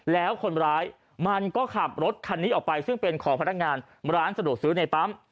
แล้วคนร้ายมันก็ขับรถคันนี้ออกไปซึ่งเป็นของพนักงานร้านสะดวกซื้อในปั๊ม